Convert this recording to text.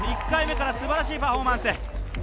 １回目からすばらしいパフォーマンス。